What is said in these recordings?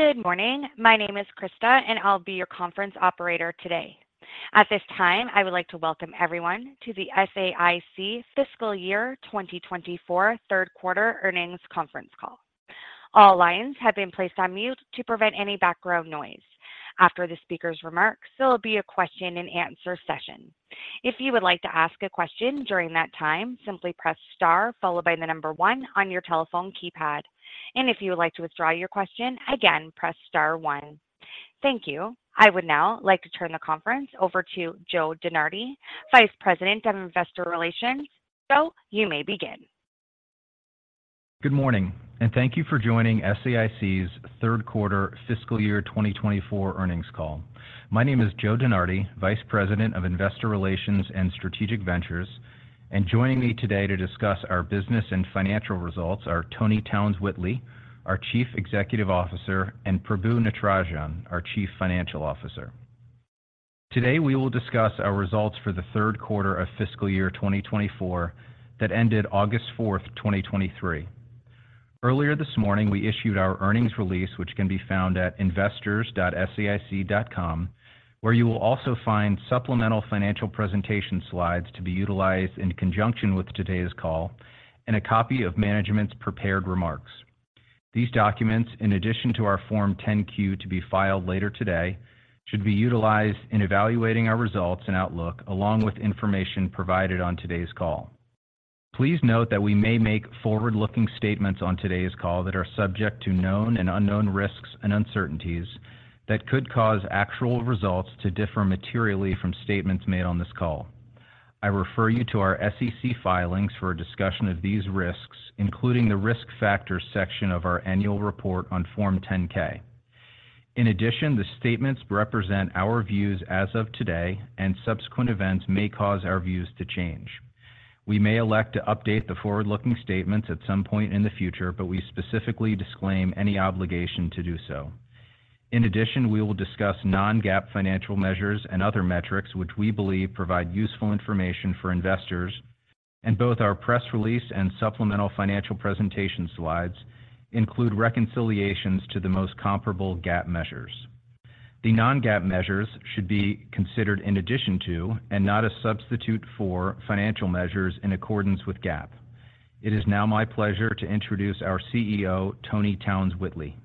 Good morning. My name is Krista, and I'll be your conference operator today. At this time, I would like to welcome everyone to the SAIC Fiscal Year 2024 Q3 earnings conference call. All lines have been placed on mute to prevent any background noise. After the speaker's remarks, there will be a question-and-answer session. If you would like to ask a question during that time, simply press Star followed by the number 1 on your telephone keypad. If you would like to withdraw your question, again, press Star one. Thank you. I would now like to turn the conference over to Joe DeNardi, Vice President of Investor Relations. Joe, you may begin. Good morning, and thank you for joining SAIC's Q3 fiscal year 2024 earnings call. My name is Joe DeNardi, Vice President of Investor Relations and Strategic Ventures, and joining me today to discuss our business and financial results are Toni Townes-Whitley, our Chief Executive Officer, and Prabu Natarajan, our Chief Financial Officer. Today, we will discuss our results for the Q3 of fiscal year 2024 that ended August 4, 2023. Earlier this morning, we issued our earnings release, which can be found at investors.saic.com, where you will also find supplemental financial presentation slides to be utilized in conjunction with today's call and a copy of management's prepared remarks. These documents, in addition to our Form 10-Q, to be filed later today, should be utilized in evaluating our results and outlook, along with information provided on today's call. Please note that we may make forward-looking statements on today's call that are subject to known and unknown risks and uncertainties that could cause actual results to differ materially from statements made on this call. I refer you to our SEC filings for a discussion of these risks, including the Risk Factors section of our annual report on Form 10-K. In addition, the statements represent our views as of today, and subsequent events may cause our views to change. We may elect to update the forward-looking statements at some point in the future, but we specifically disclaim any obligation to do so. In addition, we will discuss non-GAAP financial measures and other metrics, which we believe provide useful information for investors, and both our press release and supplemental financial presentation slides include reconciliations to the most comparable GAAP measures. The non-GAAP measures should be considered in addition to and not a substitute for financial measures in accordance with GAAP. It is now my pleasure to introduce our CEO, Toni Townes-Whitley.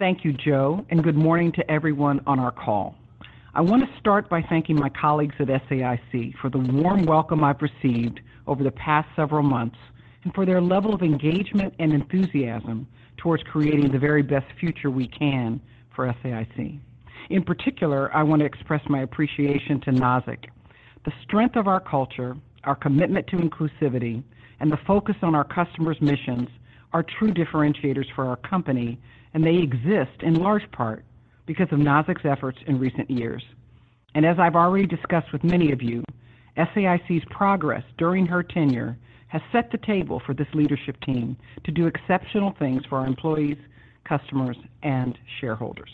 Thank you, Joe, and good morning to everyone on our call. I want to start by thanking my colleagues at SAIC for the warm welcome I've received over the past several months and for their level of engagement and enthusiasm towards creating the very best future we can for SAIC. In particular, I want to express my appreciation to Nazzic. The strength of our culture, our commitment to inclusivity, and the focus on our customers' missions are true differentiators for our company, and they exist in large part because of Nazzic's efforts in recent years. As I've already discussed with many of you, SAIC's progress during her tenure has set the table for this leadership team to do exceptional things for our employees, customers, and shareholders.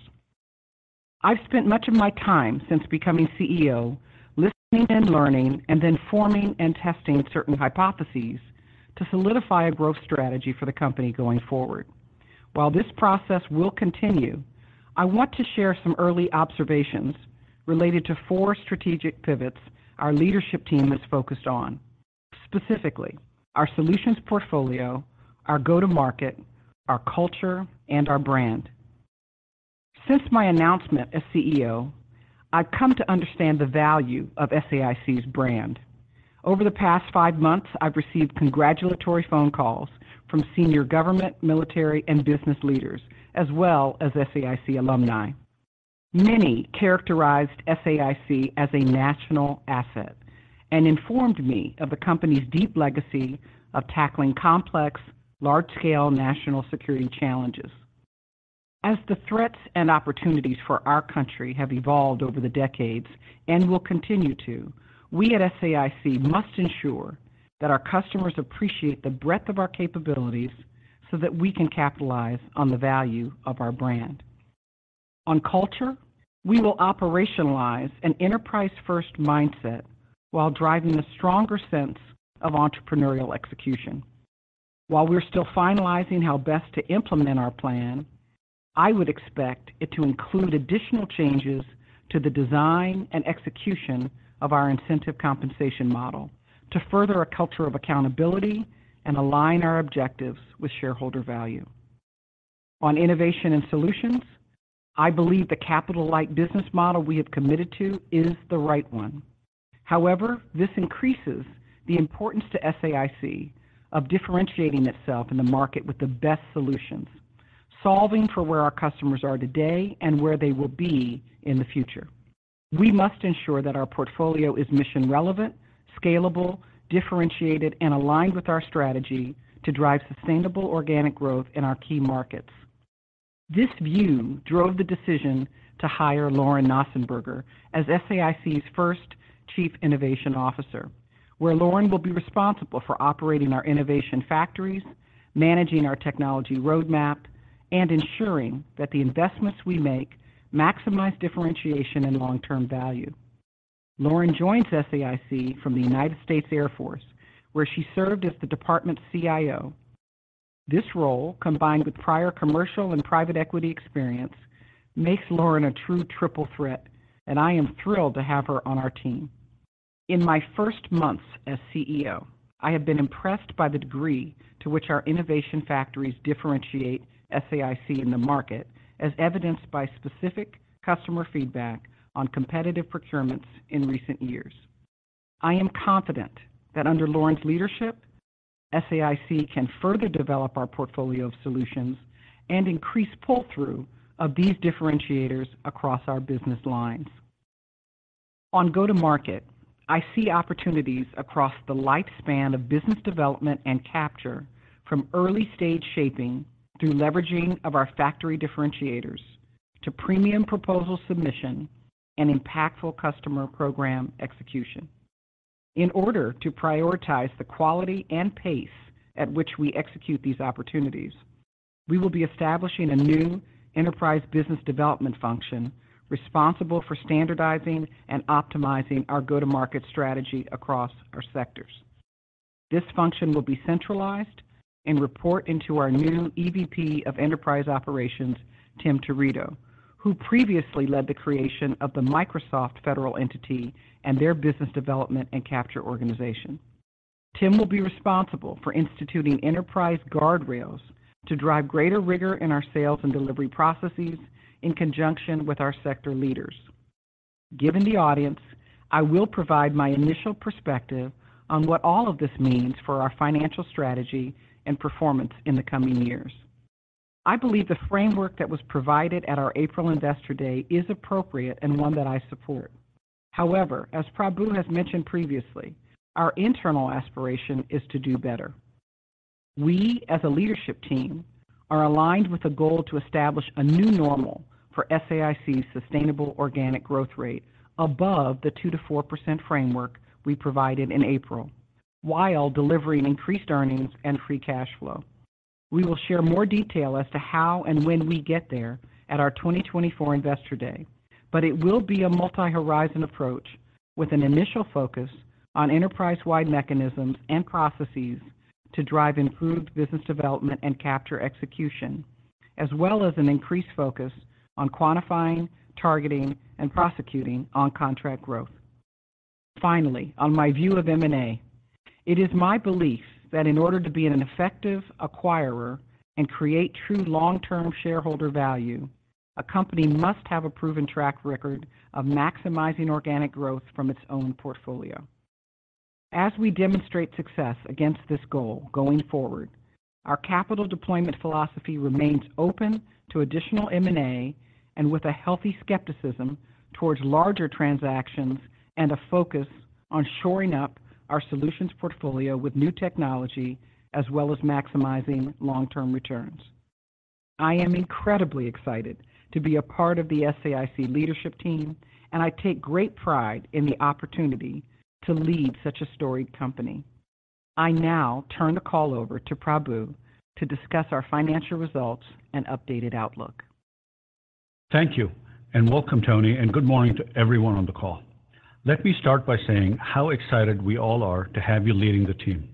I've spent much of my time since becoming CEO, listening and learning, and then forming and testing certain hypotheses to solidify a growth strategy for the company going forward. While this process will continue, I want to share some early observations related to four strategic pivots our leadership team is focused on, specifically, our solutions portfolio, our go-to-market, our culture, and our brand. Since my announcement as CEO, I've come to understand the value of SAIC's brand. Over the past five months, I've received congratulatory phone calls from senior government, military, and business leaders, as well as SAIC alumni. Many characterized SAIC as a national asset and informed me of the company's deep legacy of tackling complex, large-scale national security challenges. As the threats and opportunities for our country have evolved over the decades and will continue to, we at SAIC must ensure that our customers appreciate the breadth of our capabilities so that we can capitalize on the value of our brand. On culture, we will operationalize an enterprise-first mindset while driving a stronger sense of entrepreneurial execution. While we're still finalizing how best to implement our plan, I would expect it to include additional changes to the design and execution of our incentive compensation model to further a culture of accountability and align our objectives with shareholder value. On innovation and solutions, I believe the capital-light business model we have committed to is the right one. However, this increases the importance to SAIC of differentiating itself in the market with the best solutions, solving for where our customers are today and where they will be in the future. We must ensure that our portfolio is mission-relevant, scalable, differentiated, and aligned with our strategy to drive sustainable organic growth in our key markets. This view drove the decision to hire Lauren Knausenberger as SAIC's first Chief Innovation Officer, where Lauren will be responsible for operating our innovation factories, managing our technology roadmap, and ensuring that the investments we make maximize differentiation and long-term value.... Lauren joins SAIC from the United States Air Force, where she served as the department's CIO. This role, combined with prior commercial and private equity experience, makes Lauren a true triple threat, and I am thrilled to have her on our team. In my first months as CEO, I have been impressed by the degree to which our innovation factories differentiate SAIC in the market, as evidenced by specific customer feedback on competitive procurements in recent years. I am confident that under Lauren's leadership, SAIC can further develop our portfolio of solutions and increase pull-through of these differentiators across our business lines. On go-to-market, I see opportunities across the lifespan of business development and capture, from early-stage shaping through leveraging of our factory differentiators to premium proposal submission and impactful customer program execution. In order to prioritize the quality and pace at which we execute these opportunities, we will be establishing a new enterprise business development function responsible for standardizing and optimizing our go-to-market strategy across our sectors. This function will be centralized and report into our new EVP of Enterprise Operations, Tim Turitto, who previously led the creation of the Microsoft Federal entity and their business development and capture organization. Tim will be responsible for instituting enterprise guardrails to drive greater rigor in our sales and delivery processes in conjunction with our sector leaders. Given the audience, I will provide my initial perspective on what all of this means for our financial strategy and performance in the coming years. I believe the framework that was provided at our April Investor Day is appropriate and one that I support. However, as Prabu has mentioned previously, our internal aspiration is to do better. We, as a leadership team, are aligned with a goal to establish a new normal for SAIC's sustainable organic growth rate above the 2%-4% framework we provided in April, while delivering increased earnings and free cash flow. We will share more detail as to how and when we get there at our 2024 Investor Day, but it will be a multi-horizon approach with an initial focus on enterprise-wide mechanisms and processes to drive improved business development and capture execution, as well as an increased focus on quantifying, targeting, and prosecuting on contract growth. Finally, on my view of M&A, it is my belief that in order to be an effective acquirer and create true long-term shareholder value, a company must have a proven track record of maximizing organic growth from its own portfolio. As we demonstrate success against this goal going forward, our capital deployment philosophy remains open to additional M&A and with a healthy skepticism towards larger transactions and a focus on shoring up our solutions portfolio with new technology, as well as maximizing long-term returns. I am incredibly excited to be a part of the SAIC leadership team, and I take great pride in the opportunity to lead such a storied company. I now turn the call over to Prabu to discuss our financial results and updated outlook. Thank you, and welcome, Toni, and good morning to everyone on the call. Let me start by saying how excited we all are to have you leading the team.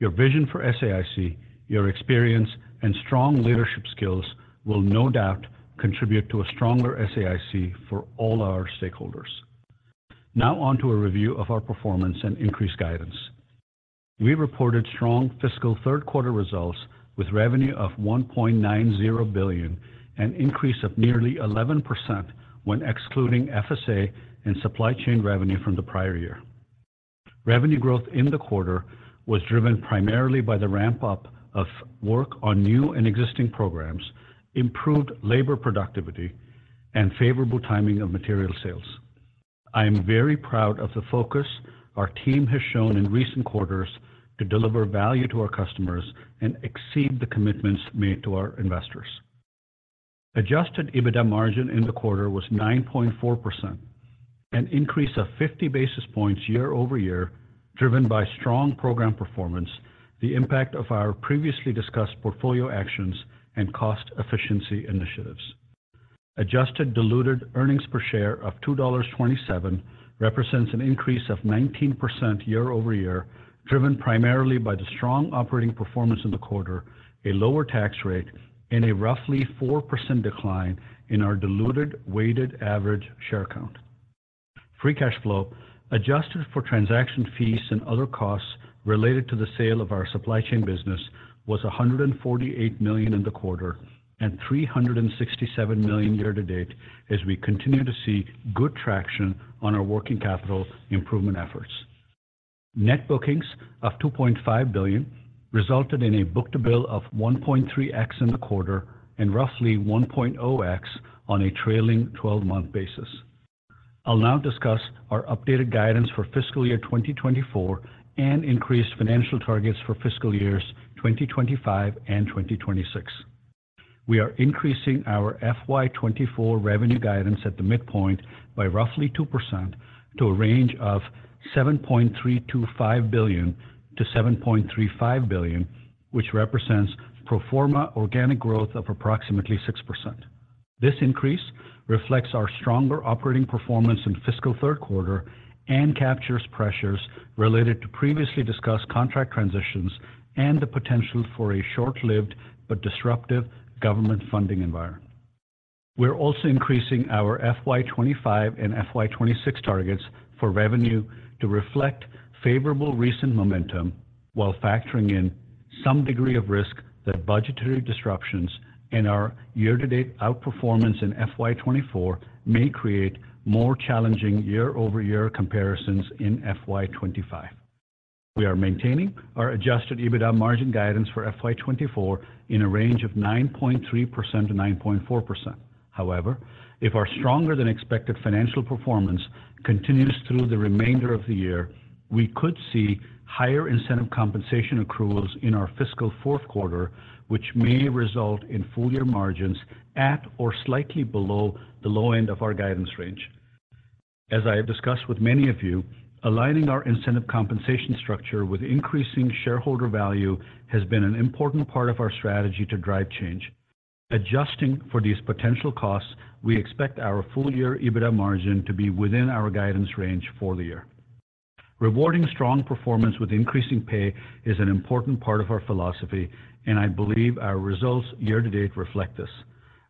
Your vision for SAIC, your experience, and strong leadership skills will no doubt contribute to a stronger SAIC for all our stakeholders. Now on to a review of our performance and increased guidance. We reported strong fiscal third-quarter results with revenue of $1.90 billion, an increase of nearly 11% when excluding FSA and supply chain revenue from the prior year. Revenue growth in the quarter was driven primarily by the ramp-up of work on new and existing programs, improved labor productivity, and favorable timing of material sales. I am very proud of the focus our team has shown in recent quarters to deliver value to our customers and exceed the commitments made to our investors. Adjusted EBITDA margin in the quarter was 9.4%, an increase of 50 basis points quarter-over-quarter, driven by strong program performance, the impact of our previously discussed portfolio actions, and cost efficiency initiatives. Adjusted diluted earnings per share of $2.27 represents an increase of 19% quarter-over-quarter, driven primarily by the strong operating performance in the quarter, a lower tax rate, and a roughly 4% decline in our diluted weighted average share count. Free cash flow, adjusted for transaction fees and other costs related to the sale of our supply chain business, was $148 million in the quarter and $367 million year to date, as we continue to see good traction on our working capital improvement efforts. Net bookings of $2.5 billion resulted in a book-to-bill of 1.3x in the quarter and roughly 1.0x on a trailing twelve-month basis. I'll now discuss our updated guidance for fiscal year 2024 and increased financial targets for fiscal years 2025 and 2026. We are increasing our FY 2024 revenue guidance at the midpoint by roughly 2% to a range of $7.325 billion-$7.35 billion, which represents pro forma organic growth of approximately 6%.... This increase reflects our stronger operating performance in fiscal Q3 and captures pressures related to previously discussed contract transitions and the potential for a short-lived but disruptive government funding environment. We're also increasing our FY 2025 and FY 2026 targets for revenue to reflect favorable recent momentum, while factoring in some degree of risk that budgetary disruptions in our year-to-date outperformance in FY 2024 may create more challenging quarter-over-quarter comparisons in FY 2025. We are maintaining our adjusted EBITDA margin guidance for FY 2024 in a range of 9.3%-9.4%. However, if our stronger than expected financial performance continues through the remainder of the year, we could see higher incentive compensation accruals in our fiscal Q4, which may result in full year margins at or slightly below the low end of our guidance range. As I have discussed with many of you, aligning our incentive compensation structure with increasing shareholder value has been an important part of our strategy to drive change. Adjusting for these potential costs, we expect our full year EBITDA margin to be within our guidance range for the year. Rewarding strong performance with increasing pay is an important part of our philosophy, and I believe our results year-to-date reflect this.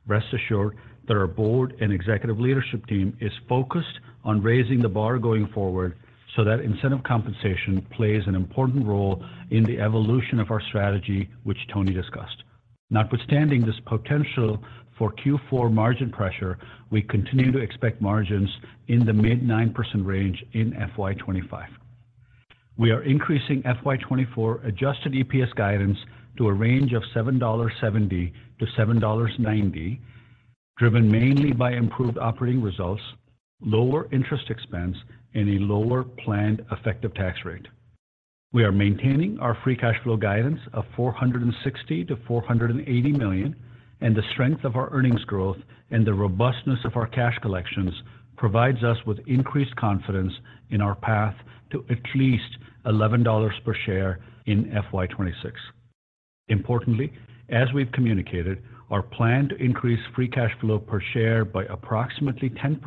Rest assured that our board and executive leadership team is focused on raising the bar going forward, so that incentive compensation plays an important role in the evolution of our strategy, which Toni discussed. Notwithstanding this potential for Q4 margin pressure, we continue to expect margins in the mid-9% range in FY 2025. We are increasing FY 2024 adjusted EPS guidance to a range of $7.70-$7.90, driven mainly by improved operating results, lower interest expense, and a lower planned effective tax rate. We are maintaining our free cash flow guidance of $460 million-$480 million, and the strength of our earnings growth and the robustness of our cash collections provides us with increased confidence in our path to at least $11 per share in FY 2026. Importantly, as we've communicated, our plan to increase free cash flow per share by approximately 10%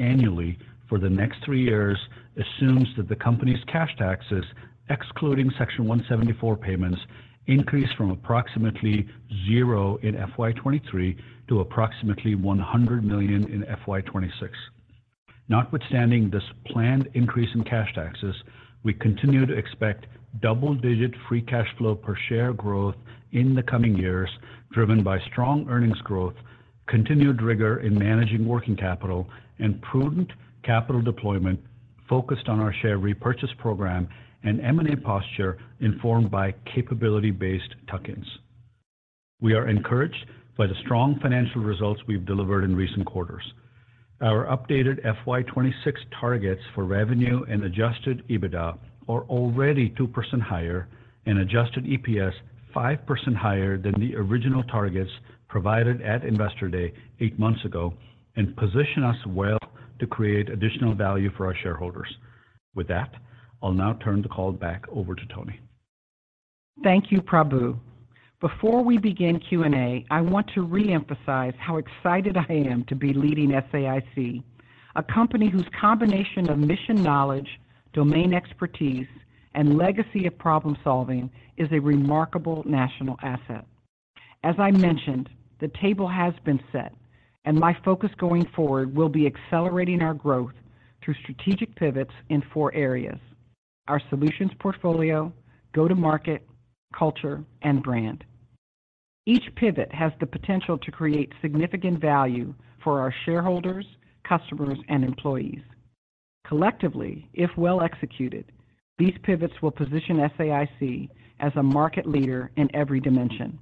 annually for the next three years assumes that the company's cash taxes, excluding Section 174 payments, increase from approximately 0 in FY 2023 to approximately $100 million in FY 2026. Notwithstanding this planned increase in cash taxes, we continue to expect double-digit free cash flow per share growth in the coming years, driven by strong earnings growth, continued rigor in managing working capital, and prudent capital deployment focused on our share repurchase program and M&A posture, informed by capability-based tuck-ins. We are encouraged by the strong financial results we've delivered in recent quarters. Our updated FY 2026 targets for revenue and Adjusted EBITDA are already 2% higher and Adjusted EPS 5% higher than the original targets provided at Investor Day eight months ago and position us well to create additional value for our shareholders. With that, I'll now turn the call back over to Toni. Thank you, Prabu. Before we begin Q&A, I want to reemphasize how excited I am to be leading SAIC, a company whose combination of mission knowledge, domain expertise, and legacy of problem-solving is a remarkable national asset. As I mentioned, the table has been set, and my focus going forward will be accelerating our growth through strategic pivots in four areas: our solutions portfolio, go-to-market, culture, and brand. Each pivot has the potential to create significant value for our shareholders, customers, and employees. Collectively, if well executed, these pivots will position SAIC as a market leader in every dimension.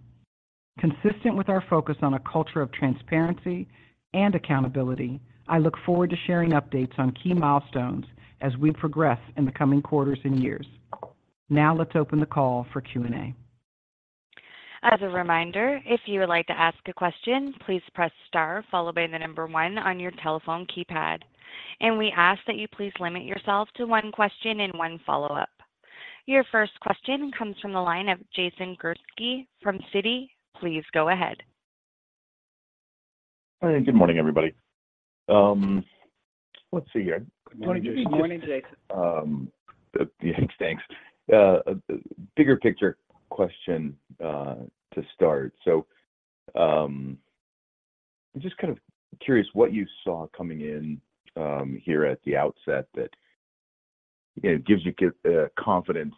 Consistent with our focus on a culture of transparency and accountability, I look forward to sharing updates on key milestones as we progress in the coming quarters and years. Now, let's open the call for Q&A. As a reminder, if you would like to ask a question, please press star followed by the number one on your telephone keypad. We ask that you please limit yourself to one question and one follow-up. Your first question comes from the line of Jason Gursky from Citi. Please go ahead. Hi, good morning, everybody. Let's see here. Good morning, Jason. Yeah, thanks. Bigger picture question to start. So, I'm just kind of curious what you saw coming in here at the outset that, you know, gives you confidence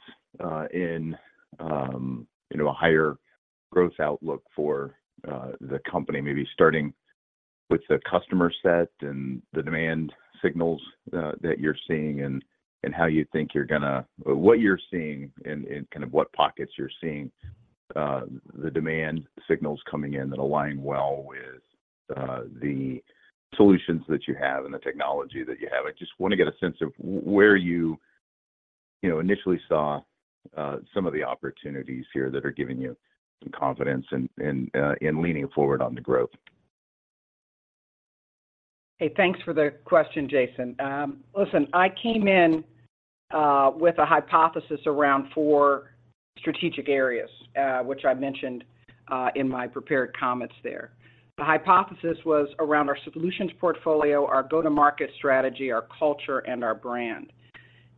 in, you know, a higher growth outlook for the company. Maybe starting with the customer set and the demand signals that you're seeing and what you're seeing and kind of what pockets you're seeing the demand signals coming in that align well with the solutions that you have and the technology that you have. I just want to get a sense of where you, you know, initially saw some of the opportunities here that are giving you some confidence in, in, in leaning forward on the growth. ... Hey, thanks for the question, Jason. Listen, I came in with a hypothesis around four strategic areas, which I mentioned in my prepared comments there. The hypothesis was around our solutions portfolio, our go-to-market strategy, our culture, and our brand.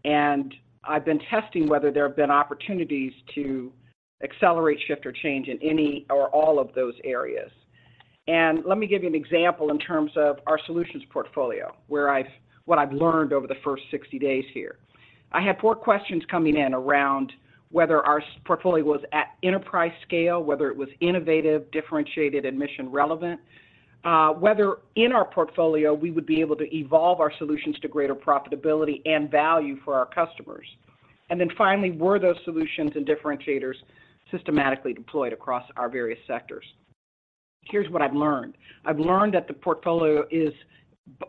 I've been testing whether there have been opportunities to accelerate, shift, or change in any or all of those areas. Let me give you an example in terms of our solutions portfolio, where what I've learned over the first 60 days here. I had four questions coming in around whether our solutions portfolio was at enterprise scale, whether it was innovative, differentiated, and mission relevant. Whether in our portfolio, we would be able to evolve our solutions to greater profitability and value for our customers. And then finally, were those solutions and differentiators systematically deployed across our various sectors? Here's what I've learned. I've learned that the portfolio is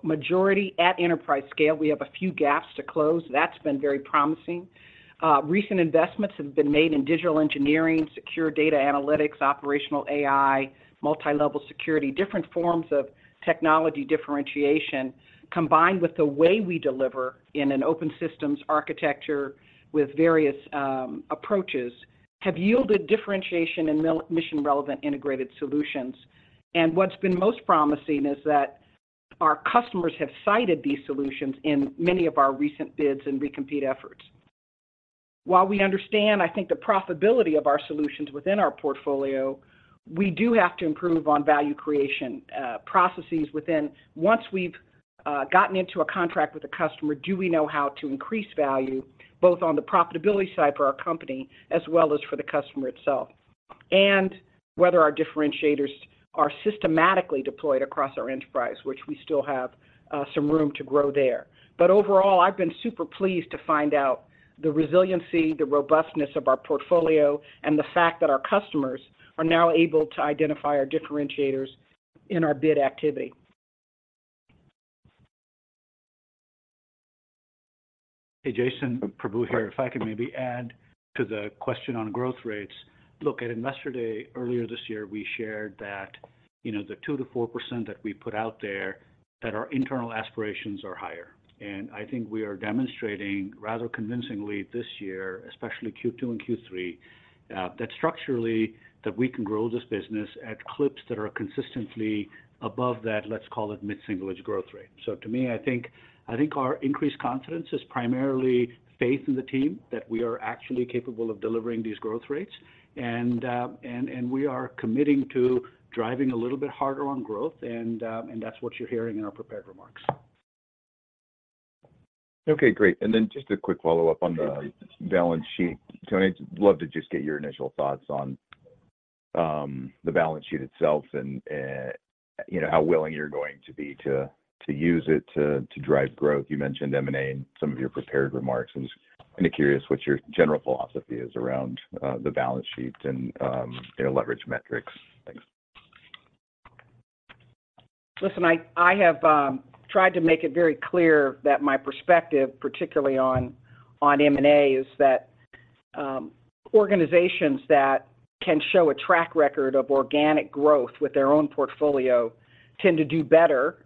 majority at enterprise scale. We have a few gaps to close. That's been very promising. Recent investments have been made in digital engineering, secure data analytics, operational AI, multilevel security. Different forms of technology differentiation, combined with the way we deliver in an open systems architecture with various approaches, have yielded differentiation and mission-relevant integrated solutions. And what's been most promising is that our customers have cited these solutions in many of our recent bids and re-compete efforts. While we understand, I think, the profitability of our solutions within our portfolio, we do have to improve on value creation processes within... Once we've gotten into a contract with a customer, do we know how to increase value, both on the profitability side for our company as well as for the customer itself? Whether our differentiators are systematically deployed across our enterprise, which we still have some room to grow there. Overall, I've been super pleased to find out the resiliency, the robustness of our portfolio, and the fact that our customers are now able to identify our differentiators in our bid activity. Hey, Jason, Prabu here. If I could maybe add to the question on growth rates. Look, at Investor Day earlier this year, we shared that, you know, the 2%-4% that we put out there, that our internal aspirations are higher. And I think we are demonstrating rather convincingly this year, especially Q2 and Q3, that structurally, that we can grow this business at clips that are consistently above that, let's call it mid-single growth rate. So to me, I think, I think our increased confidence is primarily faith in the team, that we are actually capable of delivering these growth rates. And we are committing to driving a little bit harder on growth, and that's what you're hearing in our prepared remarks. Okay, great. And then just a quick follow-up on the- Sure... balance sheet. So I'd love to just get your initial thoughts on, the balance sheet itself, and, you know, how willing you're going to be to, to drive growth. You mentioned M&A in some of your prepared remarks. I'm just kinda curious what your general philosophy is around, the balance sheet and, you know, leverage metrics. Thanks. Listen, I have tried to make it very clear that my perspective, particularly on, on M&A, is that organizations that can show a track record of organic growth with their own portfolio tend to do better,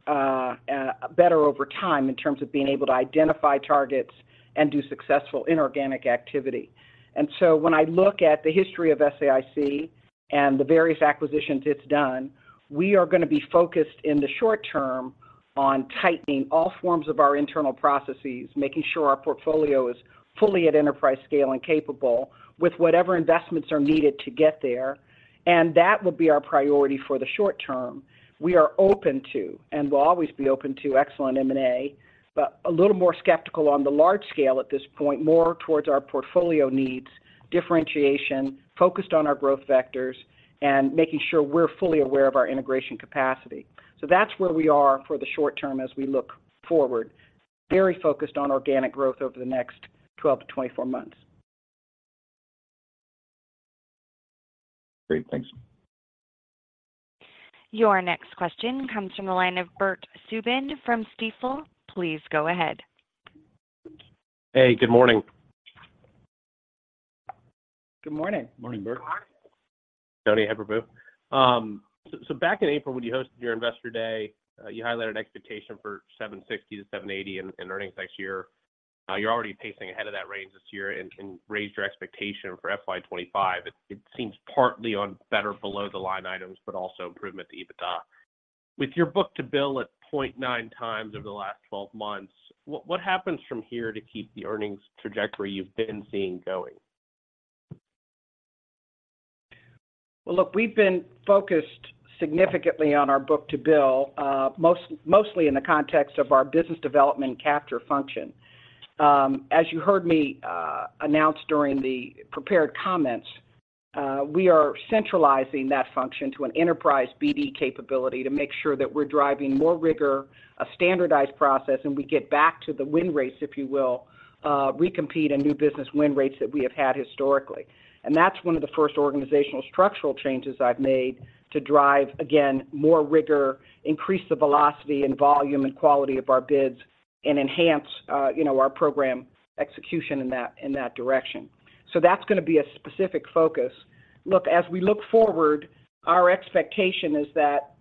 better over time in terms of being able to identify targets and do successful inorganic activity. And so when I look at the history of SAIC and the various acquisitions it's done, we are gonna be focused in the short term on tightening all forms of our internal processes, making sure our portfolio is fully at enterprise scale and capable with whatever investments are needed to get there, and that will be our priority for the short term. We are open to, and will always be open to excellent M&A, but a little more skeptical on the large scale at this point, more towards our portfolio needs, differentiation, focused on our growth vectors, and making sure we're fully aware of our integration capacity. That's where we are for the short term as we look forward. Very focused on organic growth over the next 12-24 months. Great. Thanks. Your next question comes from the line of Bert Subin from Stifel. Please go ahead. Hey, good morning. Good morning. Morning, Bert. Toni, hey, Prabu. So back in April, when you hosted your Investor Day, you highlighted expectation for $760-$780 in earnings next year. You're already pacing ahead of that range this year and raised your expectation for FY 2025. It seems partly on better below-the-line items, but also improvement to EBITDA. With your book-to-bill at 0.9x over the last twelve months, what happens from here to keep the earnings trajectory you've been seeing going? Well, look, we've been focused significantly on our Book-to-bill, mostly in the context of our business development capture function. As you heard me announce during the prepared comments, we are centralizing that function to an enterprise BD capability to make sure that we're driving more rigor, a standardized process, and we get back to the win rates, if you will, recompete and new business win rates that we have had historically. And that's one of the first organizational structural changes I've made to drive, again, more rigor, increase the velocity and volume and quality of our bids, and enhance, you know, our program execution in that direction. So that's gonna be a specific focus.... Look, as we look forward, our expectation is that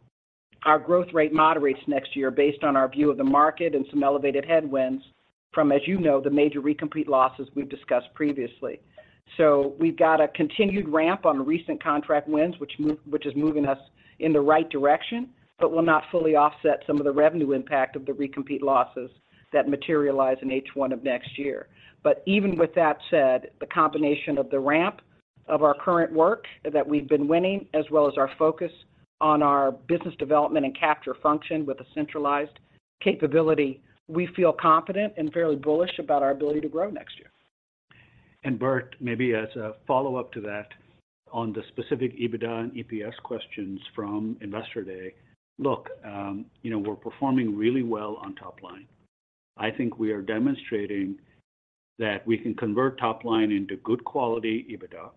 our growth rate moderates next year based on our view of the market and some elevated headwinds from, as you know, the major recompete losses we've discussed previously. So we've got a continued ramp on recent contract wins, which is moving us in the right direction, but will not fully offset some of the revenue impact of the recompete losses that materialize in H1 of next year. But even with that said, the combination of the ramp of our current work that we've been winning, as well as our focus on our business development and capture function with a centralized capability, we feel confident and fairly bullish about our ability to grow next year. And Bert, maybe as a follow-up to that, on the specific EBITDA and EPS questions from Investor Day, look, you know, we're performing really well on top line. I think we are demonstrating that we can convert top line into good quality EBITDA,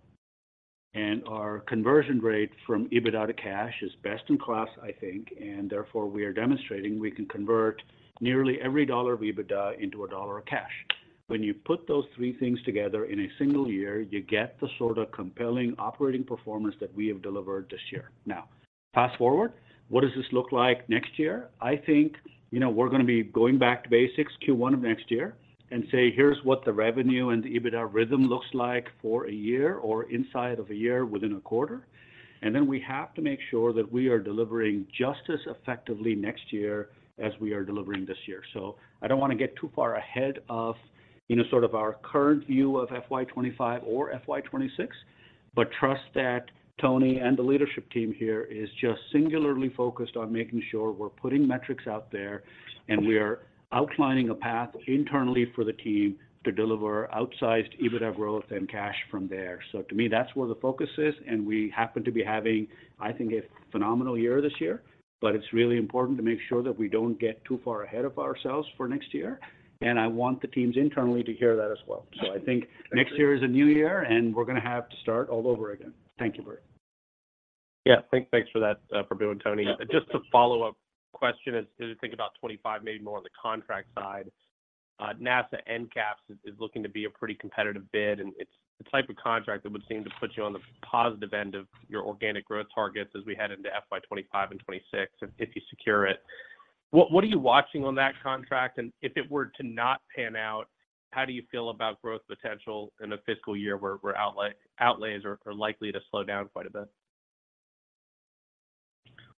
and our conversion rate from EBITDA to cash is best-in-class, I think, and therefore, we are demonstrating we can convert nearly every dollar of EBITDA into a dollar of cash. When you put those three things together in a single year, you get the sort of compelling operating performance that we have delivered this year. Now, fast-forward, what does this look like next year? I think, you know, we're gonna be going back to basics Q1 of next year and say, "Here's what the revenue and the EBITDA rhythm looks like for a year or inside of a year, within a quarter." And then we have to make sure that we are delivering just as effectively next year as we are delivering this year. So I don't wanna get too far ahead of, you know, sort of our current view of FY 2025 or FY 2026, but trust that Toni and the leadership team here is just singularly focused on making sure we're putting metrics out there, and we are outlining a path internally for the team to deliver outsized EBITDA growth and cash from there. So to me, that's where the focus is, and we happen to be having, I think, a phenomenal year this year. But it's really important to make sure that we don't get too far ahead of ourselves for next year, and I want the teams internally to hear that as well. So I think next year is a new year, and we're gonna have to start all over again. Thank you, Bert. Yeah. Thanks for that, Prabu and Toni. Yeah. Just a follow-up question as we think about 2025, maybe more on the contract side. NASA NCAPS is looking to be a pretty competitive bid, and it's the type of contract that would seem to put you on the positive end of your organic growth targets as we head into FY 2025 and 2026, if you secure it. What are you watching on that contract? And if it were to not pan out, how do you feel about growth potential in a fiscal year where outlays are likely to slow down quite a bit?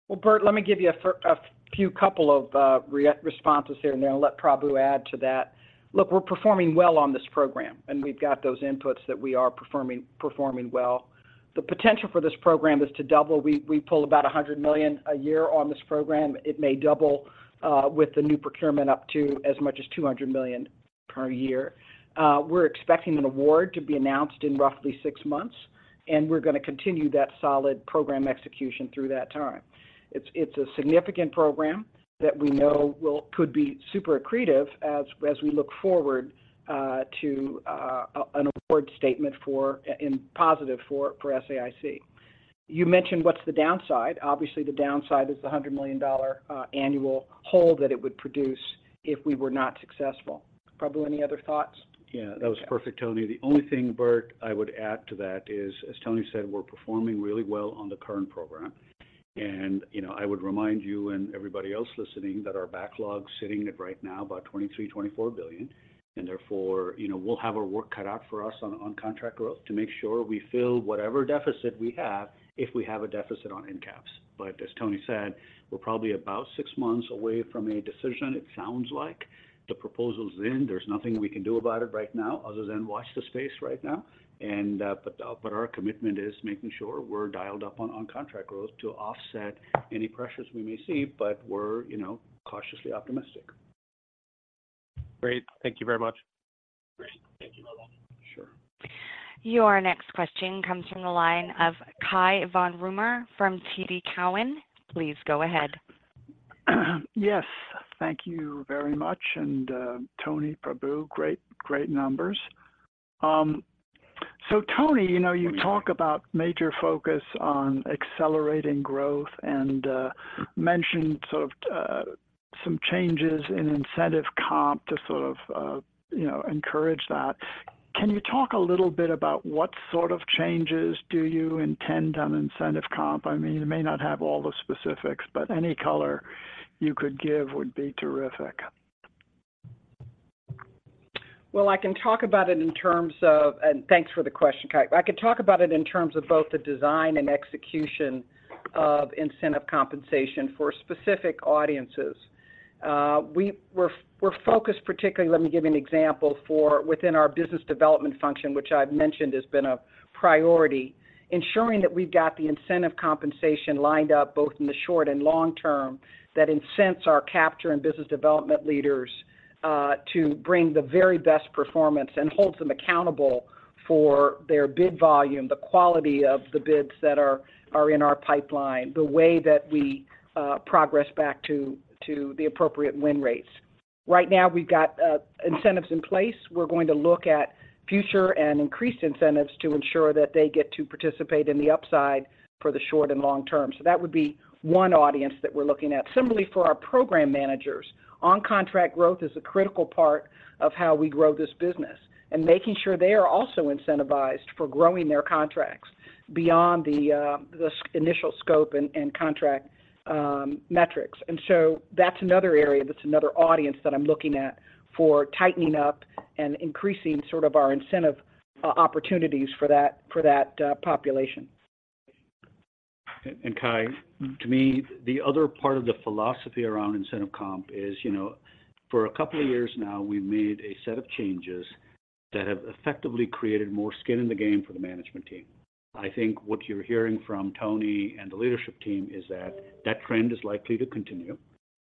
Well, Bert, let me give you a few couple of responses here, and then I'll let Prabu add to that. Look, we're performing well on this program, and we've got those inputs that we are performing well. The potential for this program is to double. We pull about $100 million a year on this program. It may double with the new procurement, up to as much as $200 million per year. We're expecting an award to be announced in roughly six months, and we're gonna continue that solid program execution through that time. It's a significant program that we know could be super accretive as we look forward to an award statement, and positive for SAIC. You mentioned, what's the downside? Obviously, the downside is the $100 million annual hole that it would produce if we were not successful. Prabu, any other thoughts? Yeah, that was perfect, Toni. The only thing, Bert, I would add to that is, as Toni said, we're performing really well on the current program. And, you know, I would remind you and everybody else listening, that our backlog sitting at right now about $23 billion-$24 billion, and therefore, you know, we'll have our work cut out for us on contract growth to make sure we fill whatever deficit we have, if we have a deficit on NCAPS. But as Toni said, we're probably about six months away from a decision, it sounds like. The proposal's in, there's nothing we can do about it right now, other than watch the space right now. And, but our commitment is making sure we're dialed up on contract growth to offset any pressures we may see, but we're, you know, cautiously optimistic. Great. Thank you very much. Great. Thank you, Bert. Sure. Your next question comes from the line of Cai von Rumohr from TD Cowen. Please go ahead. Yes, thank you very much. And, Toni, Prabu, great, great numbers. So Toni, you know, you talk about major focus on accelerating growth and, mentioned sort of, some changes in incentive comp to sort of, you know, encourage that. Can you talk a little bit about what sort of changes do you intend on incentive comp? I mean, you may not have all the specifics, but any color you could give would be terrific. Well, I can talk about it in terms of, and thanks for the question, Cai. I can talk about it in terms of both the design and execution of incentive compensation for specific audiences. We're focused particularly, let me give you an example, for within our business development function, which I've mentioned has been a priority, ensuring that we've got the incentive compensation lined up, both in the short and long term, that incentivizes our capture and business development leaders, to bring the very best performance and holds them accountable for their bid volume, the quality of the bids that are in our pipeline, the way that we progress back to the appropriate win rates.... Right now, we've got incentives in place. We're going to look at future and increased incentives to ensure that they get to participate in the upside for the short and long term. So that would be one audience that we're looking at. Similarly, for our program managers, on-contract growth is a critical part of how we grow this business, and making sure they are also incentivized for growing their contracts beyond the initial scope and contract metrics. And so that's another area, that's another audience that I'm looking at for tightening up and increasing sort of our incentive opportunities for that population. Cai, to me, the other part of the philosophy around incentive comp is, you know, for a couple of years now, we've made a set of changes that have effectively created more skin in the game for the management team. I think what you're hearing from Toni and the leadership team is that that trend is likely to continue.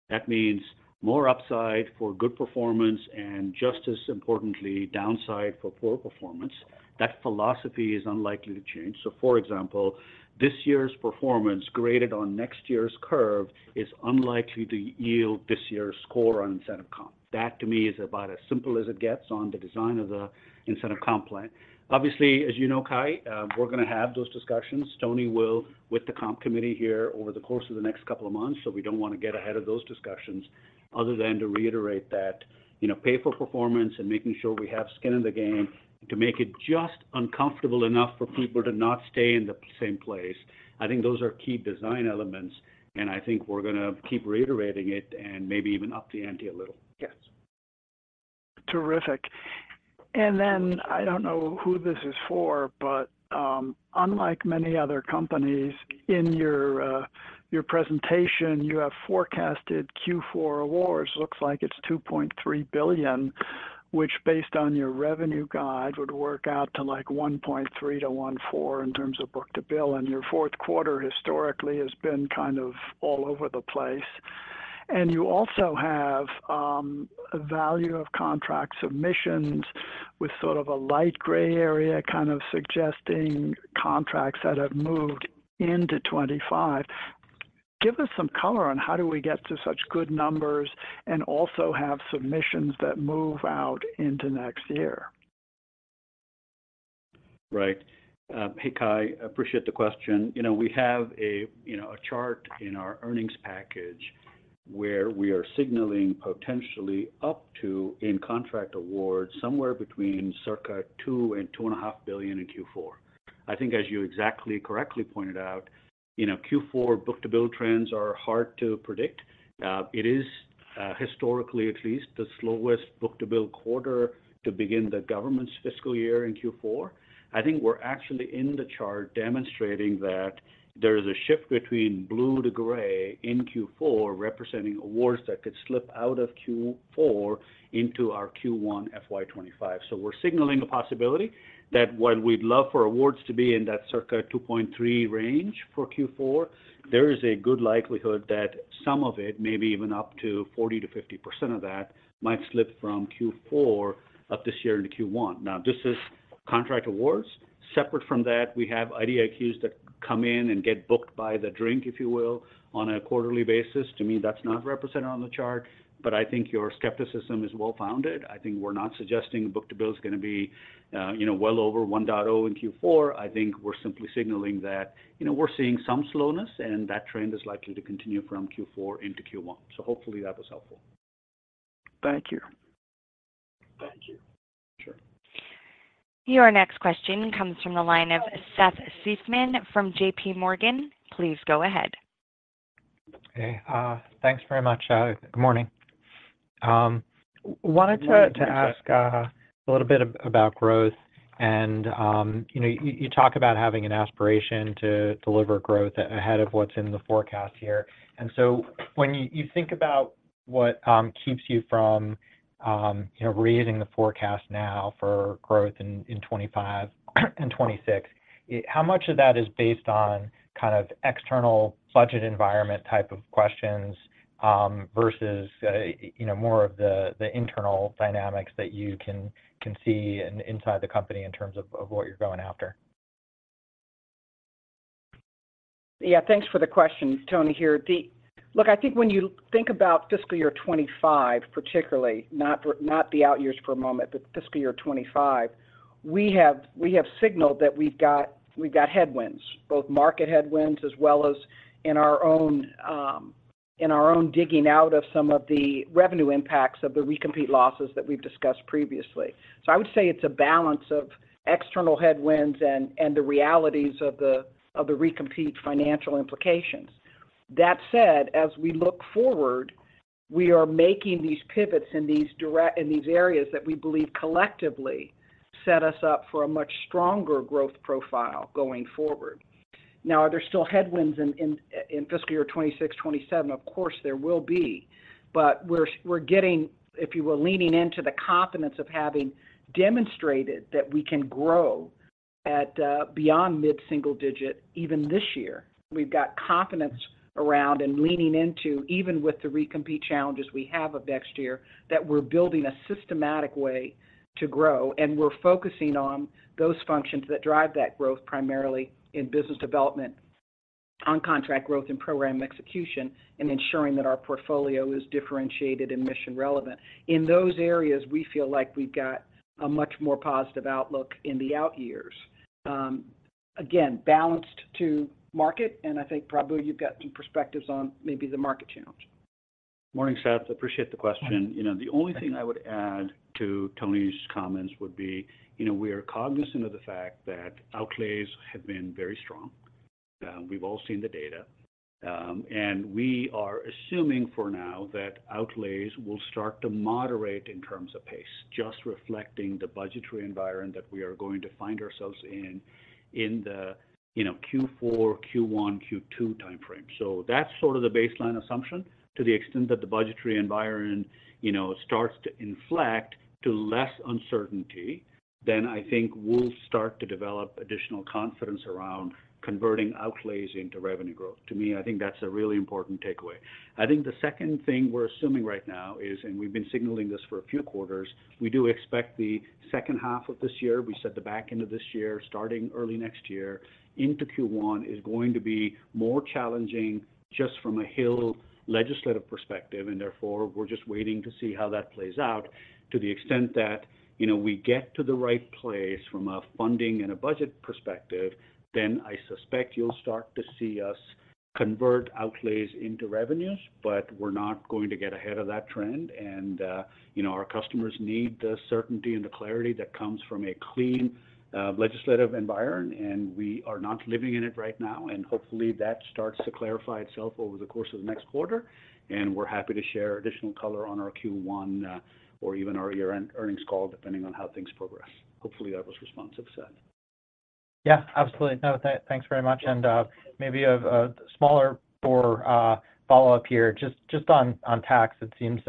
That means more upside for good performance, and just as importantly, downside for poor performance. That philosophy is unlikely to change. So, for example, this year's performance, graded on next year's curve, is unlikely to yield this year's score on incentive comp. That, to me, is about as simple as it gets on the design of the incentive comp plan. Obviously, as you know, Cai, we're going to have those discussions. Toni will, with the comp committee here over the course of the next couple of months, so we don't want to get ahead of those discussions, other than to reiterate that, you know, pay for performance and making sure we have skin in the game to make it just uncomfortable enough for people to not stay in the same place. I think those are key design elements, and I think we're going to keep reiterating it and maybe even up the ante a little. Yes. Terrific. Then, I don't know who this is for, but unlike many other companies, in your, your presentation, you have forecasted Q4 awards. Looks like it's $2.3 billion, which, based on your revenue guide, would work out to, like, 1.3-1.4 in terms of book-to-bill. Your Q4, historically, has been kind of all over the place. You also have a value of contract submissions with sort of a light gray area, kind of suggesting contracts that have moved into 2025. Give us some color on how do we get to such good numbers and also have submissions that move out into next year? Right. Hey, Cai, appreciate the question. You know, we have a, you know, a chart in our earnings package where we are signaling potentially up to, in contract awards, somewhere between circa $2 billion-$2.5 billion in Q4. I think as you exactly correctly pointed out, you know, Q4 book-to-bill trends are hard to predict. It is, historically, at least, the slowest book-to-bill quarter to begin the government's fiscal year in Q4. I think we're actually in the chart demonstrating that there is a shift between blue to gray in Q4, representing awards that could slip out of Q4 into our Q1 FY 2025. So we're signaling a possibility that while we'd love for awards to be in that circa 2.3 range for Q4, there is a good likelihood that some of it, maybe even up to 40%-50% of that, might slip from Q4 of this year into Q1. Now, this is contract awards. Separate from that, we have IDIQs that come in and get booked by the drink, if you will, on a quarterly basis. To me, that's not represented on the chart, but I think your skepticism is well-founded. I think we're not suggesting book-to-bill is going to be, you know, well over 1.0 in Q4. I think we're simply signaling that, you know, we're seeing some slowness, and that trend is likely to continue from Q4 into Q1. So hopefully that was helpful. Thank you. Thank you. Sure. Your next question comes from the line of Seth Seifman from JP Morgan. Please go ahead. Hey, thanks very much. Good morning. Wanted to- Good morning... to ask a little bit about growth and, you know, you talk about having an aspiration to deliver growth ahead of what's in the forecast here. And so when you think about what keeps you from, you know, raising the forecast now for growth in 2025 and 2026, how much of that is based on kind of external budget environment type of questions versus, you know, more of the internal dynamics that you can see inside the company in terms of what you're going after? Yeah, thanks for the question. Toni here. Look, I think when you think about fiscal year 2025, particularly, not for, not the out years for a moment, but fiscal year 2025, we have, we have signaled that we've got we've got headwinds, both market headwinds as well as in our own, in our own digging out of some of the revenue impacts of the recompete losses that we've discussed previously. So I would say it's a balance of external headwinds and, and the realities of the, of the recompete financial implications. That said, as we look forward, we are making these pivots in these areas that we believe collectively set us up for a much stronger growth profile going forward. Now, are there still headwinds in, in, fiscal year 2026, 2027? Of course, there will be, but we're, we're getting, if you will, leaning into the confidence of having demonstrated that we can grow at, beyond mid-single digit even this year. We've got confidence around and leaning into, even with the recompete challenges we have of next year, that we're building a systematic way to grow, and we're focusing on those functions that drive that growth, primarily in business development.... on-contract growth and program execution, and ensuring that our portfolio is differentiated and mission-relevant. In those areas, we feel like we've got a much more positive outlook in the out years. Again, balanced to market, and I think Prabu, you've got some perspectives on maybe the market challenge. Morning, Seth. Appreciate the question. You know, the only thing I would add to Toni's comments would be, you know, we are cognizant of the fact that outlays have been very strong. We've all seen the data, and we are assuming for now that outlays will start to moderate in terms of pace, just reflecting the budgetary environment that we are going to find ourselves in, in the, you know, Q4, Q1, Q2 timeframe. So that's sort of the baseline assumption. To the extent that the budgetary environment, you know, starts to inflect to less uncertainty, then I think we'll start to develop additional confidence around converting outlays into revenue growth. To me, I think that's a really important takeaway. I think the second thing we're assuming right now is, and we've been signaling this for a few quarters, we do expect the H2 of this year, we said the back end of this year, starting early next year into Q1, is going to be more challenging just from a Hill legislative perspective, and therefore, we're just waiting to see how that plays out. To the extent that, you know, we get to the right place from a funding and a budget perspective, then I suspect you'll start to see us convert outlays into revenues, but we're not going to get ahead of that trend. And, you know, our customers need the certainty and the clarity that comes from a clean, legislative environment, and we are not living in it right now. Hopefully, that starts to clarify itself over the course of the next quarter, and we're happy to share additional color on our Q1, or even our year-end earnings call, depending on how things progress. Hopefully, that was responsive, Seth. Yeah, absolutely. No, thanks very much. And, maybe a smaller, more follow-up here. Just on tax, it seems,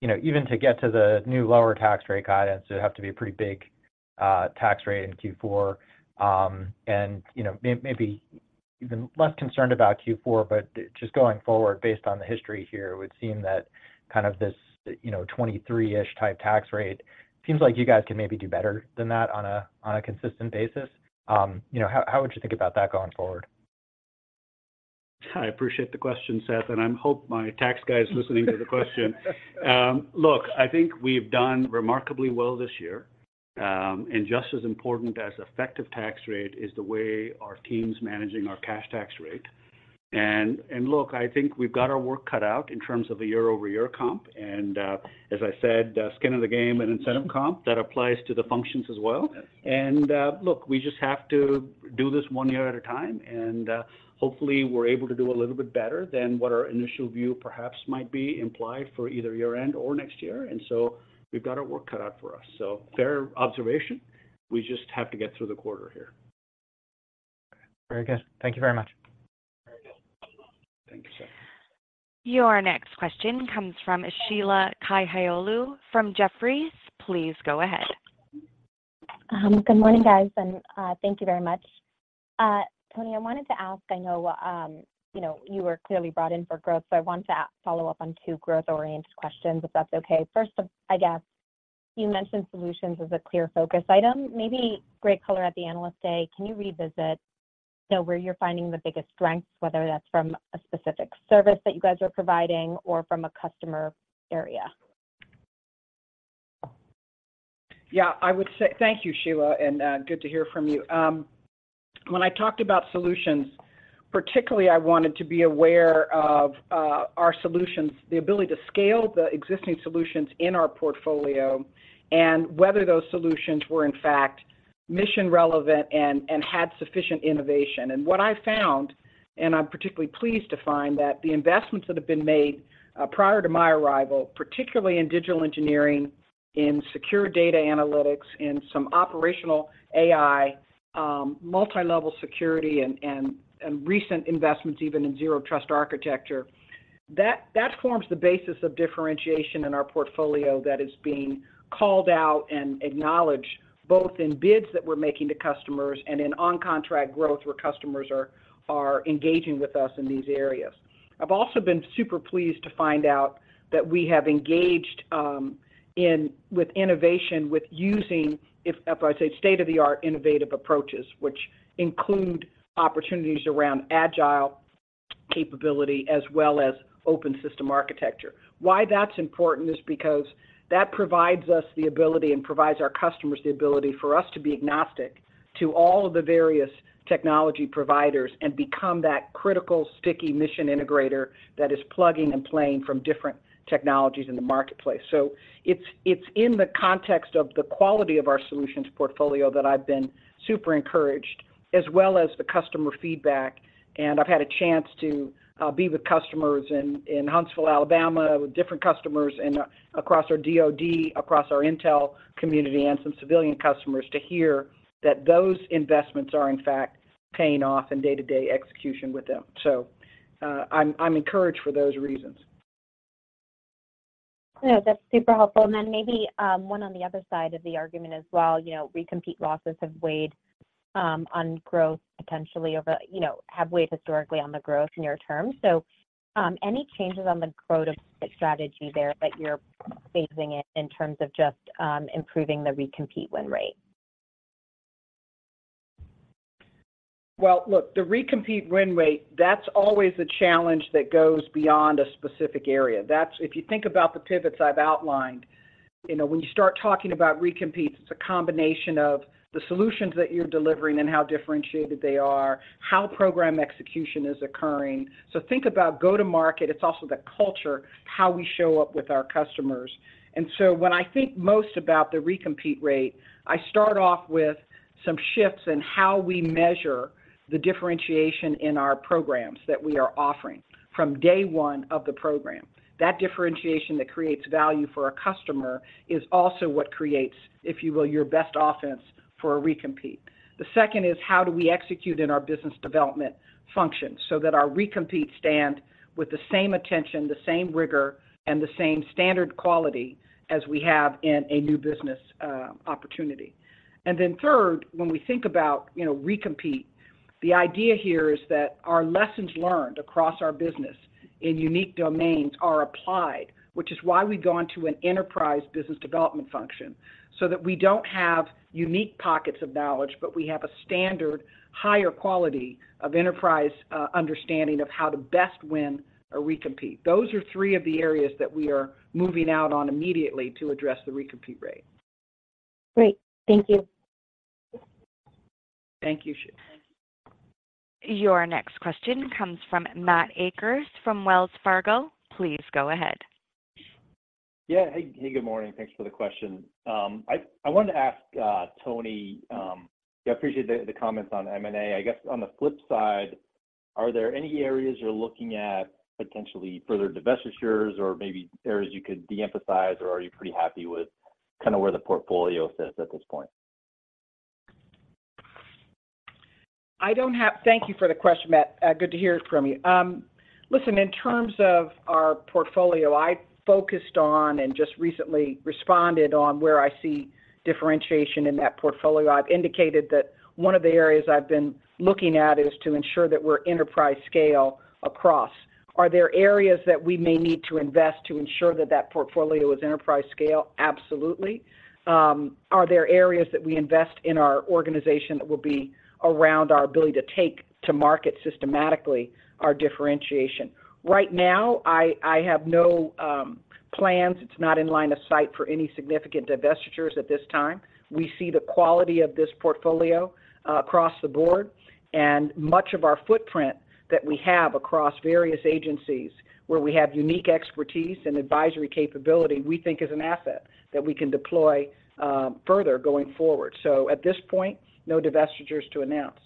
you know, even to get to the new lower tax rate guidance, it would have to be a pretty big tax rate in Q4. And, you know, maybe even less concerned about Q4, but just going forward, based on the history here, it would seem that kind of this, you know, 23-ish type tax rate, seems like you guys can maybe do better than that on a consistent basis. You know, how would you think about that going forward? I appreciate the question, Seth, and I hope my tax guy is listening to the question. Look, I think we've done remarkably well this year, and just as important as effective tax rate is the way our team's managing our cash tax rate. And look, I think we've got our work cut out in terms of the quarter-over-quarter comp, and as I said, skin in the game and incentive comp, that applies to the functions as well. Yes. Look, we just have to do this one year at a time, and hopefully, we're able to do a little bit better than what our initial view perhaps might be implied for either year-end or next year. And so we've got our work cut out for us. Fair observation, we just have to get through the quarter here. Very good. Thank you very much. Very good. Thank you, Seth. Your next question comes from Sheila Kahyaoglu from Jefferies. Please go ahead. Good morning, guys, and thank you very much. Toni, I wanted to ask, I know, you know, you were clearly brought in for growth, so I want to follow up on two growth-oriented questions, if that's okay. First, I guess you mentioned solutions as a clear focus item, maybe great color at the Analyst Day. Can you revisit, you know, where you're finding the biggest strengths, whether that's from a specific service that you guys are providing or from a customer area? Yeah, I would say, thank you, Sheila, and good to hear from you. When I talked about solutions, particularly, I wanted to be aware of our solutions, the ability to scale the existing solutions in our portfolio, and whether those solutions were, in fact, mission-relevant and had sufficient innovation. And what I found, and I'm particularly pleased to find, that the investments that have been made prior to my arrival, particularly in digital engineering, in secure data analytics, in some operational AI, multilevel security, and recent investments, even in zero trust architecture, that forms the basis of differentiation in our portfolio that is being called out and acknowledged, both in bids that we're making to customers and in on-contract growth, where customers are engaging with us in these areas. I've also been super pleased to find out that we have engaged in with innovation, with using, if I say, state-of-the-art innovative approaches, which include opportunities around agile capability as well as open systems architecture. Why that's important is because that provides us the ability and provides our customers the ability for us to be agnostic to all of the various technology providers and become that critical, sticky mission integrator that is plugging and playing from different technologies in the marketplace. So it's in the context of the quality of our solutions portfolio that I've been super encouraged, as well as the customer feedback. I've had a chance to be with customers in Huntsville, Alabama, with different customers and across our DoD, across our intel community, and some civilian customers, to hear that those investments are, in fact, paying off in day-to-day execution with them. I'm encouraged for those reasons. No, that's super helpful. And then maybe one on the other side of the argument as well, you know, recompete losses have weighed on growth potentially over-you know, have weighed historically on the growth near term. So, any changes on the go-to strategy there, that you're phasing it in terms of just improving the recompete win rate?... Well, look, the recompete win rate, that's always a challenge that goes beyond a specific area. That's, if you think about the pivots I've outlined, you know, when you start talking about recompetes, it's a combination of the solutions that you're delivering and how differentiated they are, how program execution is occurring. So think about go-to-market, it's also the culture, how we show up with our customers. And so when I think most about the recompete rate, I start off with some shifts in how we measure the differentiation in our programs that we are offering from day one of the program. That differentiation that creates value for a customer is also what creates, if you will, your best offense for a recompete. The second is, how do we execute in our business development function so that our recompete stand with the same attention, the same rigor, and the same standard quality as we have in a new business, opportunity? And then third, when we think about, you know, recompete, the idea here is that our lessons learned across our business in unique domains are applied, which is why we've gone to an enterprise business development function, so that we don't have unique pockets of knowledge, but we have a standard higher quality of enterprise, understanding of how to best win or recompete. Those are three of the areas that we are moving out on immediately to address the recompete rate. Great. Thank you. Thank you, Sheila. Your next question comes from Matt Akers, from Wells Fargo. Please go ahead. Yeah. Hey, hey, good morning. Thanks for the question. I wanted to ask, Toni, I appreciate the comments on M&A. I guess, on the flip side, are there any areas you're looking at potentially further divestitures or maybe areas you could de-emphasize, or are you pretty happy with kind of where the portfolio sits at this point? Thank you for the question, Matt. Good to hear from you. Listen, in terms of our portfolio, I focused on and just recently responded on where I see differentiation in that portfolio. I've indicated that one of the areas I've been looking at is to ensure that we're enterprise scale across. Are there areas that we may need to invest to ensure that that portfolio is enterprise scale? Absolutely. Are there areas that we invest in our organization that will be around our ability to take to market systematically our differentiation? Right now, I have no plans. It's not in line of sight for any significant divestitures at this time. We see the quality of this portfolio, across the board, and much of our footprint that we have across various agencies, where we have unique expertise and advisory capability, we think is an asset that we can deploy, further going forward. So at this point, no divestitures to announce.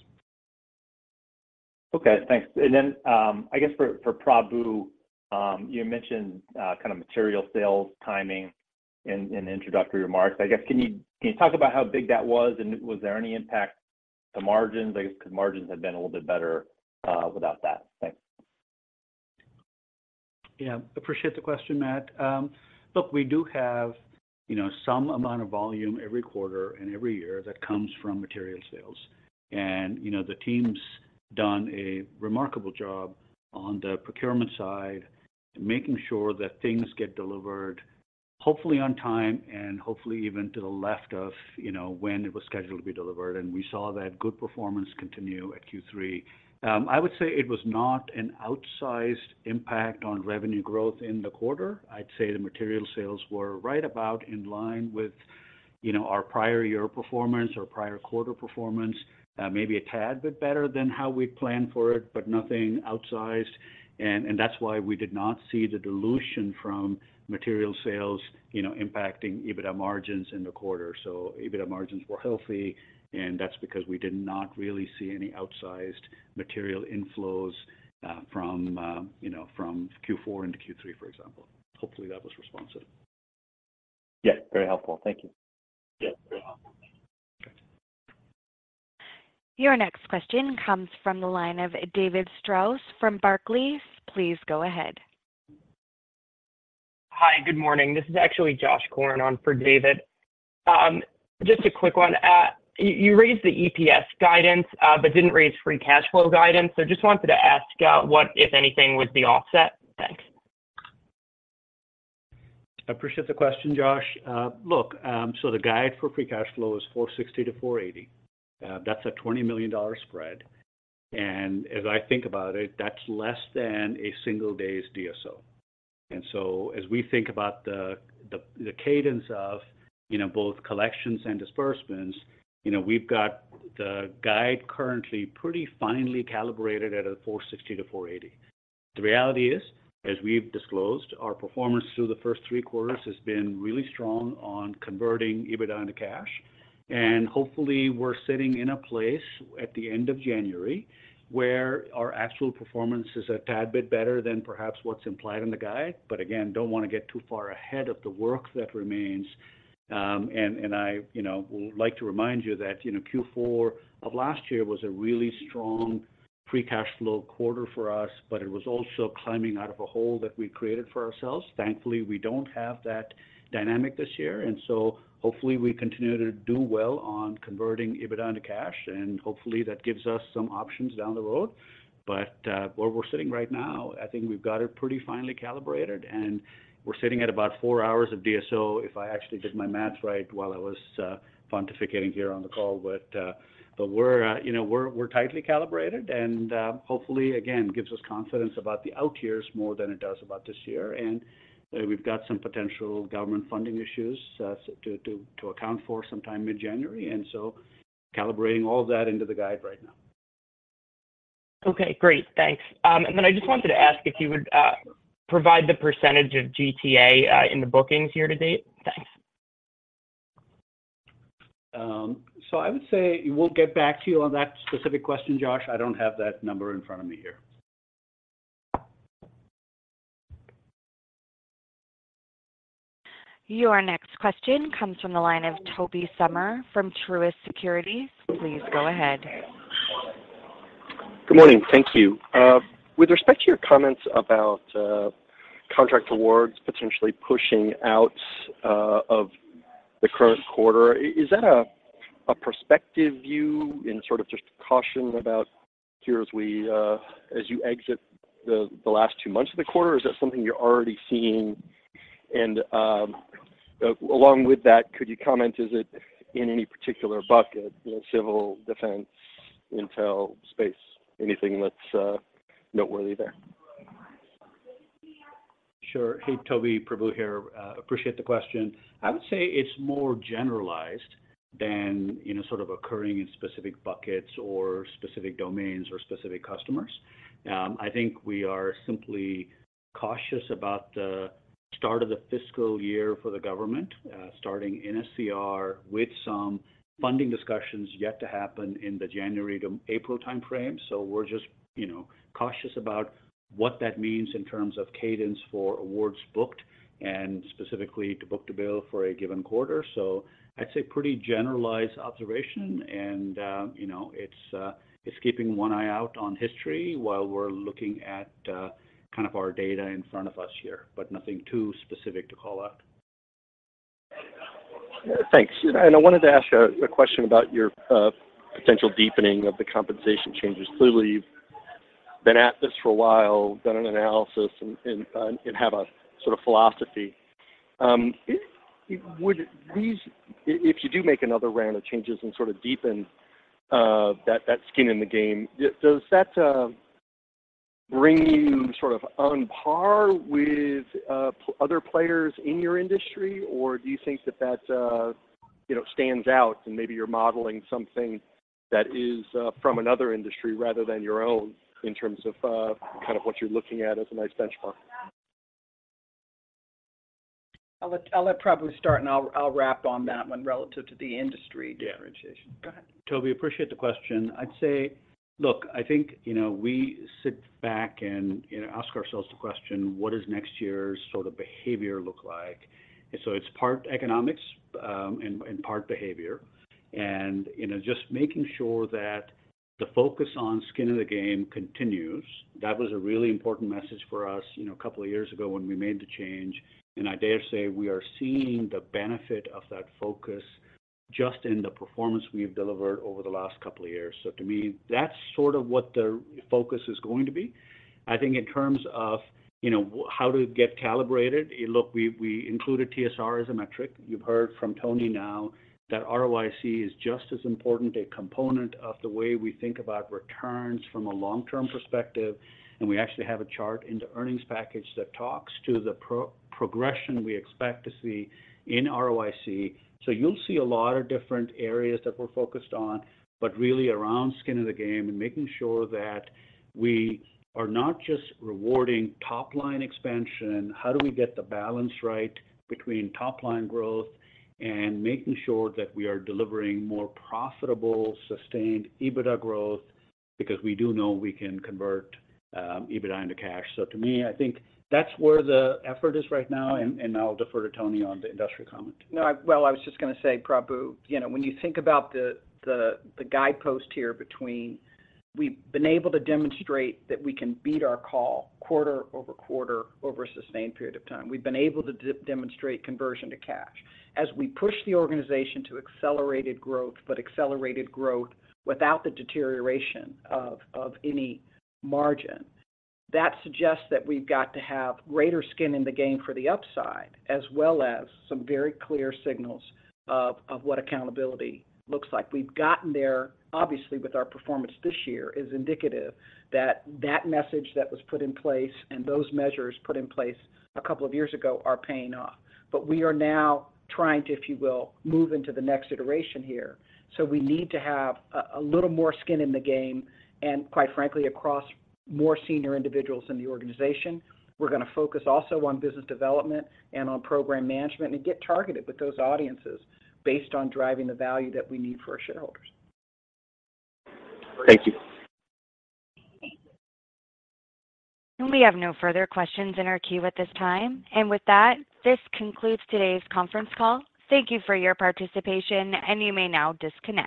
Okay, thanks. And then, I guess for Prabu, you mentioned kind of material sales timing in introductory remarks. I guess, can you talk about how big that was, and was there any impact to margins? I guess, because margins had been a little bit better without that. Thanks. Yeah, appreciate the question, Matt. Look, we do have, you know, some amount of volume every quarter and every year that comes from material sales. And, you know, the team's done a remarkable job on the procurement side, making sure that things get delivered, hopefully, on time and hopefully even to the left of, you know, when it was scheduled to be delivered. And we saw that good performance continue at Q3. I would say it was not an outsized impact on revenue growth in the quarter. I'd say the material sales were right about in line with, you know, our prior year performance or prior quarter performance, maybe a tad bit better than how we planned for it, but nothing outsized. And that's why we did not see the dilution from material sales, you know, impacting EBITDA margins in the quarter. EBITDA margins were healthy, and that's because we did not really see any outsized material inflows, you know, from Q4 into Q3, for example. Hopefully, that was responsive. Yeah, very helpful. Thank you. Yeah, very helpful. Thanks. Your next question comes from the line of David Strauss from Barclays. Please go ahead. Hi, good morning. This is actually Josh Corn on for David. Just a quick one. You, you raised the EPS guidance, but didn't raise free cash flow guidance. So just wanted to ask, what, if anything, would be offset? Thanks. Appreciate the question, Josh. Look, so the guide for free cash flow is $40 million-$48 million. That's a $20 million spread. And as I think about it, that's less than a single day's DSO. And so as we think about the, the, the cadence of, you know, both collections and disbursements, you know, we've got the guide currently pretty finely calibrated at a $40 million-$48 million. The reality is, as we've disclosed, our performance through the first three quarters has been really strong on converting EBITDA into cash. And hopefully, we're sitting in a place at the end of January, where our actual performance is a tad bit better than perhaps what's implied in the guide. But again, don't want to get too far ahead of the work that remains. I, you know, would like to remind you that, you know, Q4 of last year was a really strong free cash flow quarter for us, but it was also climbing out of a hole that we created for ourselves. Thankfully, we don't have that dynamic this year, and so hopefully we continue to do well on converting EBITDA into cash, and hopefully that gives us some options down the road. But, where we're sitting right now, I think we've got it pretty finely calibrated, and we're sitting at about four hours of DSO, if I actually did my math right while I was pontificating here on the call. But, but we're, you know, we're tightly calibrated, and, hopefully, again, gives us confidence about the out years more than it does about this year. We've got some potential government funding issues, so to account for sometime mid-January, and so calibrating all that into the guide right now. Okay, great. Thanks. And then I just wanted to ask if you would provide the percentage of net new in the bookings year to date? Thanks. I would say we'll get back to you on that specific question, Josh. I don't have that number in front of me here. Your next question comes from the line of Tobey Sommer from Truist Securities. Please go ahead. Good morning. Thank you. With respect to your comments about contract awards potentially pushing out of the current quarter, is that a perspective view in sort of just caution about here as we as you exit the last two months of the quarter, or is that something you're already seeing? Along with that, could you comment, is it in any particular bucket, you know, civil, defense, intel, space, anything that's noteworthy there? Sure. Hey, Tobey, Prabu here. Appreciate the question. I would say it's more generalized than, you know, sort of occurring in specific buckets or specific domains or specific customers. I think we are simply cautious about the start of the fiscal year for the government, starting in a CR with some funding discussions yet to happen in the January to April timeframe. So we're just, you know, cautious about what that means in terms of cadence for awards booked, and specifically to book-to-bill for a given quarter. So I'd say pretty generalized observation, and, you know, it's keeping one eye out on history while we're looking at kind of our data in front of us here, but nothing too specific to call out. Thanks. I wanted to ask a question about your potential deepening of the compensation changes. Clearly, you've been at this for a while, done an analysis and have a sort of philosophy. Would these—if you do make another round of changes and sort of deepen that skin in the game—does that bring you sort of on par with other players in your industry? Or do you think that you know stands out and maybe you're modeling something that is from another industry rather than your own in terms of kind of what you're looking at as a nice benchmark? I'll let Prabu start, and I'll wrap on that one relative to the industry differentiation. Yeah. Go ahead. Tobey, appreciate the question. I'd say... Look, I think, you know, we sit back and, you know, ask ourselves the question, "What does next year's sort of behavior look like?" And so it's part economics, and part behavior. And, you know, just making sure that the focus on skin in the game continues, that was a really important message for us, you know, a couple of years ago when we made the change. And I dare say we are seeing the benefit of that focus just in the performance we've delivered over the last couple of years. So to me, that's sort of what the focus is going to be. I think in terms of, you know, how to get calibrated, look, we've included TSR as a metric. You've heard from Toni now that ROIC is just as important a component of the way we think about returns from a long-term perspective, and we actually have a chart in the earnings package that talks to the progression we expect to see in ROIC. So you'll see a lot of different areas that we're focused on, but really around skin in the game and making sure that we are not just rewarding top-line expansion. How do we get the balance right between top-line growth and making sure that we are delivering more profitable, sustained EBITDA growth? Because we do know we can convert EBITDA into cash. So to me, I think that's where the effort is right now, and I'll defer to Toni on the industry comment. No, well, I was just gonna say, Prabu, you know, when you think about the guidepost here between... We've been able to demonstrate that we can beat our call quarter over quarter over a sustained period of time. We've been able to demonstrate conversion to cash. As we push the organization to accelerated growth, but accelerated growth without the deterioration of any margin, that suggests that we've got to have greater skin in the game for the upside, as well as some very clear signals of what accountability looks like. We've gotten there, obviously, with our performance this year, is indicative that that message that was put in place and those measures put in place a couple of years ago are paying off. But we are now trying to, if you will, move into the next iteration here. So we need to have a little more skin in the game, and quite frankly, across more senior individuals in the organization. We're gonna focus also on business development and on program management, and get targeted with those audiences based on driving the value that we need for our shareholders. Thank you. We have no further questions in our queue at this time. With that, this concludes today's conference call. Thank you for your participation, and you may now disconnect.